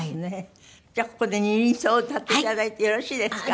じゃあここで『二輪草』を歌っていただいてよろしいですか？